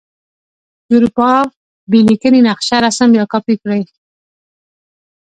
د اروپا بې لیکنې نقشه رسم یا کاپې کړئ.